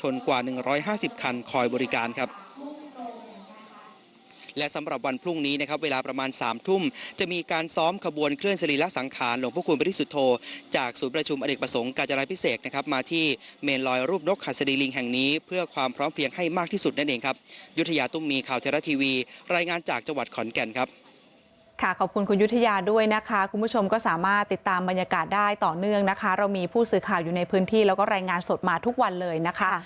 ลีละสังขารหลวงพระคุณบริสุทธโทจากสูตรประชุมอเด็กประสงค์กาจารย์พิเศษนะครับมาที่เมนลอยรูปนกขัดสดีลิงแห่งนี้เพื่อความพร้อมเพลียงให้มากที่สุดนั่นเองครับยุทยาตุ้มมีข่าวเทราะทีวีรายงานจากจังหวัดขอนแก่นครับค่ะขอบคุณคุณยุทยาด้วยนะคะคุณผู้ชมก็สามารถติดตามบรรยากาศได